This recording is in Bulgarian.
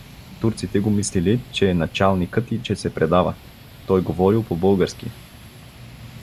Турците го мислили, че е началникът и че се предава: той говорил по български.